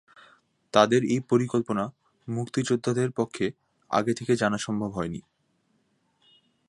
তাদের এই পরিকল্পনা মুক্তিযোদ্ধাদের পক্ষে আগে থেকে জানা সম্ভব হয়নি।